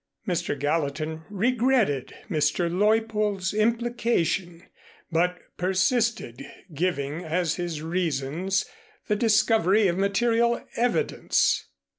Mr. Gallatin regretted Mr. Leuppold's implication but persisted, giving, as his reasons, the discovery of material evidence.